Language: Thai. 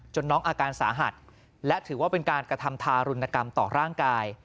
น้องอาการสาหัสและถือว่าเป็นการกระทำทารุณกรรมต่อร่างกาย